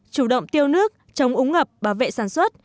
chủ động tiêu nước chống úng ngập bảo vệ sản xuất